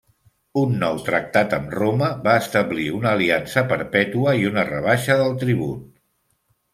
Un nou tractat amb Roma va establir una aliança perpètua i una rebaixa del tribut.